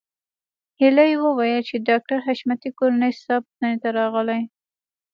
هيلې وویل چې د ډاکټر حشمتي کورنۍ ستا پوښتنې ته راغلې